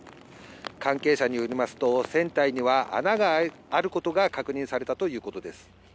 関係者によりますと、船体には、穴があることが確認されたということです。